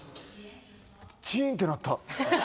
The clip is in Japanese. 「チーン」って鳴った。